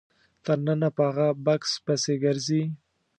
تر ننه په هغه بکس پسې ګرځي.